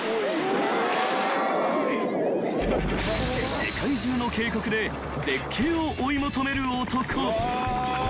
［世界中の渓谷で絶景を追い求める男］